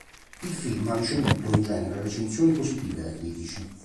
Il film ha ricevuto in genere recensioni positive dai critici.